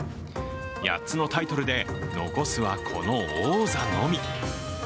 ８つのタイトルで残すは、この王座のみ。